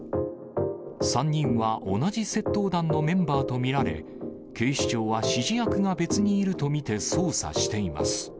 ３人は同じ窃盗団のメンバーと見られ、警視庁は指示役が別にいると見て捜査しています。